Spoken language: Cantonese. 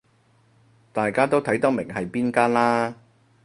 大家都睇得明係邊間啦